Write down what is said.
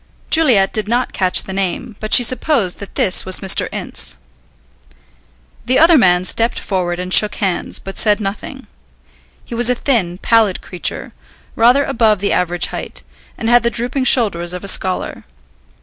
Juliet did not catch the name, but she supposed that this was Mr. Ince. The other man stepped forward and shook hands, but said nothing. He was a thin, pallid creature, rather above the average height, and had the drooping shoulders of a scholar.